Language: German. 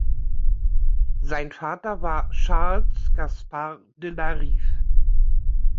Sein Vater war Charles-Gaspard de la Rive.